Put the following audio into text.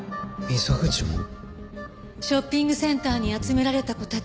ショッピングセンターに集められた子たち